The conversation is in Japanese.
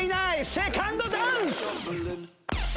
セカンドダンス！